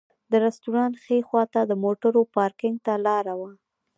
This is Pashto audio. د رسټورانټ ښي خواته د موټرو پارکېنګ ته لاره وه.